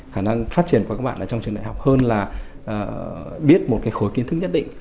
khả năng phát triển của các bạn trong trường đại học hơn là biết một cái khối kiến thức nhất định